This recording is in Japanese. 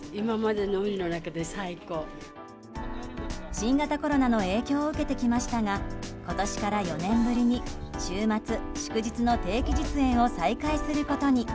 新型コロナの影響を受けてきましたが今年から４年ぶりに週末・祝日の定期実演を再開することに。